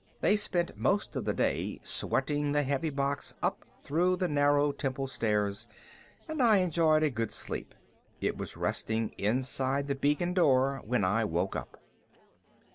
They spent most of the day sweating the heavy box up through the narrow temple stairs and I enjoyed a good sleep. It was resting inside the beacon door when I woke up.